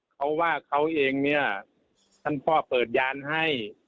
เขาว่าเขาเองเนี่ยท่านพ่อเปิดยานให้